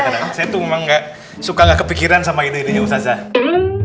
karena saya tuh emang suka gak kepikiran sama idenya ustadz zanurul